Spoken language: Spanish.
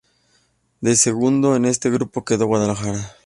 De segundo en este grupo quedó Guadalajara.